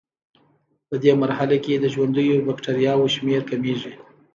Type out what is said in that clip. پدې مرحله کې د ژوندیو بکټریاوو شمېر کمیږي.